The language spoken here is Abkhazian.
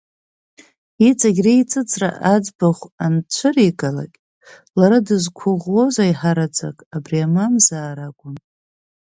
Иҵегь реиҵыҵра аӡбахә анцәыригалак, лара дызқәыӷәӷәоз аиҳараӡак убри амамзаара акәын.